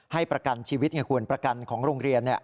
ให้ประกันชีวิตแค่ความประกันที่โรงเรียน